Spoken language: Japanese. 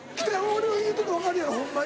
俺の言うてんの分かるやろホンマに。